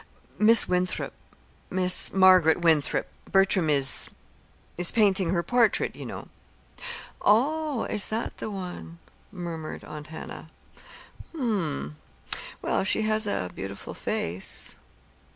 "Miss Winthrop Miss Marguerite Winthrop. Bertram is is painting her portrait, you know." "Oh, is that the one?" murmured Aunt Hannah. "Hm m; well, she has a beautiful face."